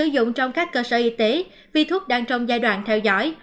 dụng trong các cơ sở y tế vì thuốc đang trong giai đoạn theo dõi